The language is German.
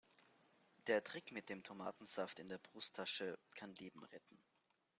Der Trick mit dem Tomatensaft in der Brusttasche kann Leben retten.